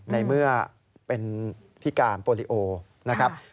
ในเมื่อเป็นพิการโปรลิโอนะครับ